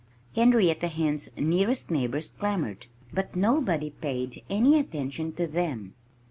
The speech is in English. Henrietta Hen's nearest neighbors clamored. But nobody paid any attention to them.